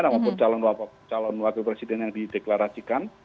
maupun calon wakil presiden yang dideklarasikan